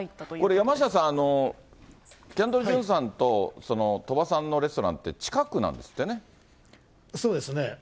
これ、山下さん、キャンドル・ジュンさんと、鳥羽さんのレストランって、近くなんそうですね。